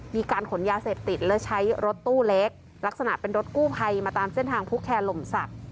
มีการขนยาเสพติดและใช้รถตู้เล็กลักษณะเป็นรถกู้ภัยมาตามเส้นทางผู้แคร์ลมศักดิ์